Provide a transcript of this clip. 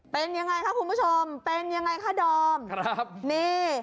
เป็นยังไงคะคุณผู้ชมเป็นยังไงคะดอมครับนี่